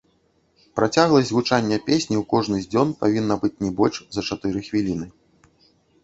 Працягласць гучання песні ў кожны з дзён павінна быць не больш за чатыры хвіліны.